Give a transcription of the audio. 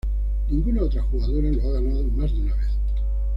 Ninguna otra jugadora lo ha ganado más de una vez.